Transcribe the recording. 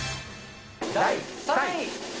第３位。